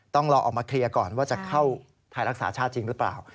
ต้องรอออกมาเคลียร์ก่อนว่าจะเข้าไทยรักษาชาติจริงหรือเปล่า